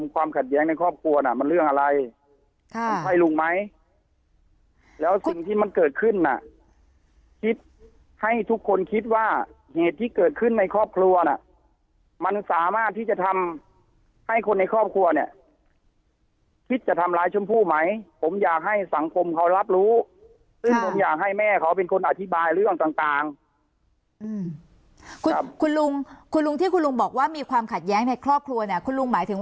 ความขัดแย้งในครอบครัวน่ะมันเรื่องอะไรมันใช่ลุงไหมแล้วสิ่งที่มันเกิดขึ้นน่ะคิดให้ทุกคนคิดว่าเหตุที่เกิดขึ้นในครอบครัวน่ะมันสามารถที่จะทำให้คนในครอบครัวเนี่ยคิดจะทำร้ายชมพู่ไหมผมอยากให้สังคมเขารับรู้ซึ่งผมอยากให้แม่เขาเป็นคนอธิบายเรื่องต่างคุณคุณลุงคุณลุงที่คุณลุงบอกว่ามีความขัดแย้งในครอบครัวเนี่ยคุณลุงหมายถึง